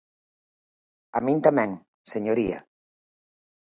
A min tamén, señoría.